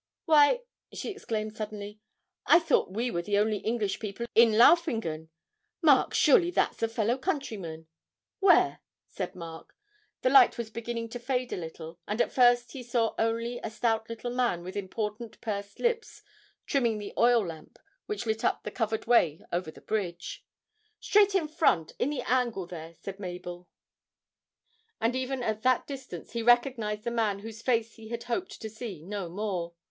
Why,' she exclaimed suddenly, 'I thought we were the only English people in Laufingen. Mark, surely that's a fellow countryman?' 'Where?' said Mark. The light was beginning to fade a little, and at first he only saw a stout little man with important pursed lips trimming the oil lamp which lit up the covered way over the bridge. 'Straight in front; in the angle there,' said Mabel; and even at that distance he recognised the man whose face he had hoped to see no more.